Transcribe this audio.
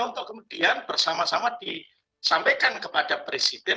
untuk kemudian bersama sama disampaikan kepada presiden